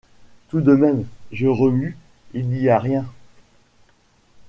Tout de même, je remue, il n’y a rien...